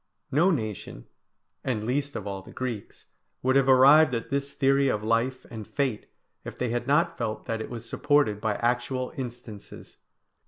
No nation, and least of all the Greeks, would have arrived at this theory of life and fate, if they had not felt that it was supported by actual instances.